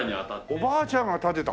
おばあちゃんが建てた？